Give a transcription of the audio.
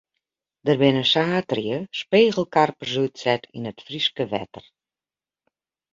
Der binne saterdei spegelkarpers útset yn it Fryske wetter.